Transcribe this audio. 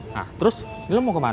nah terus ini lo mau kemana